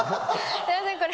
すみません、これ。